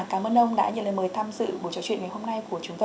cảm ơn ông đã nhận lời mời tham dự buổi trò chuyện ngày hôm nay của chúng tôi